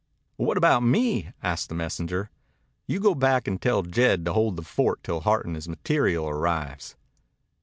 "What about me?" asked the messenger. "You go back and tell Jed to hold the fort till Hart and his material arrives."